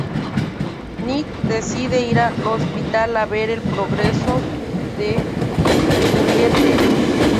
Nick decide ir al hospital a ver el progreso de Juliette.